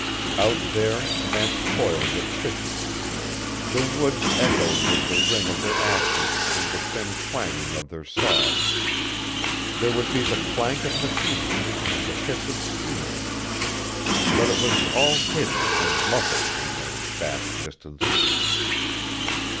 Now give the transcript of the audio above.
Out there men toiled at fishing; the woods echoed with the ring of their axes and the thin twanging of their saws; there would be the clank of machinery and the hiss of steam. But it was all hidden and muffled in those vast distances.